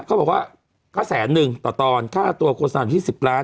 เขาบอกว่าก็แสนนึงต่อตอนค่าตัวโฆษณาอยู่ที่๑๐ล้าน